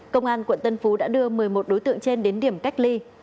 công an quận tân phú đã đưa một mươi một đối tượng trên đến điểm cách ly